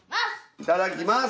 いただきます。